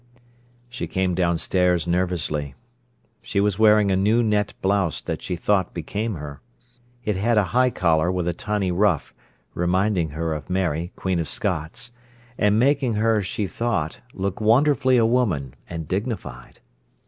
She came downstairs nervously. She was wearing a new net blouse that she thought became her. It had a high collar with a tiny ruff, reminding her of Mary, Queen of Scots, and making her, she thought, look wonderfully a woman, and dignified.